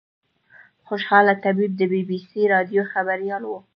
خوشحال طیب د بي بي سي راډیو خبریال و.